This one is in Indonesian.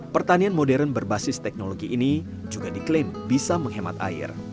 pertanian modern berbasis teknologi ini juga diklaim bisa menghemat air